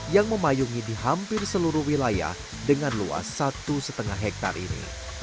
yang memayungi di hampir seluruh wilayah dengan luas satu lima hektare ini